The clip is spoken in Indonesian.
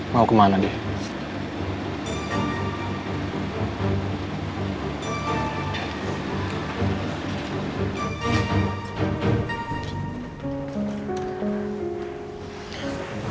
mau kemana dia